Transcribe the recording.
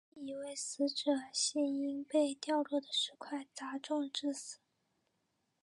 唯一一位死者系因被掉落的石块砸中致死。